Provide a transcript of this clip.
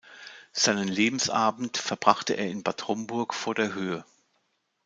Seinen Lebensabend verbrachte er in Bad Homburg vor der Höhe.